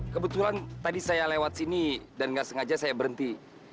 kebetulan tadi saya lewat sini dan nggak sengaja saya berhenti